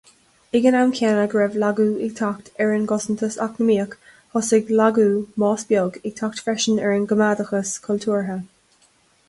Ag an am céanna go raibh lagú ag teacht ar an gcosantas eacnamaíoch, thosaigh lagú, más beag, ag teacht freisin ar an gcoimeádachas cultúrtha.